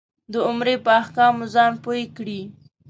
د عمرې په احکامو ځان پوی کړې.